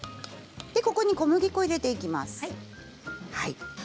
ここに小麦粉を入れていきます。